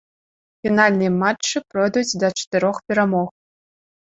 Фінальныя матчы пройдуць да чатырох перамог.